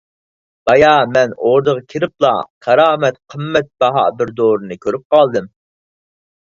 بايا مەن ئوردىغا كىرىپلا كارامەت قىممەت باھا بىر دورىنى كۆرۈپ قالدىم.